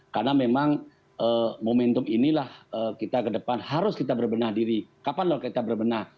karena memang momentum inilah kita kedepan harus kita berbenah diri kapan lho kita berbenah